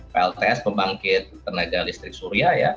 plts pembangkit tenaga listrik surya ya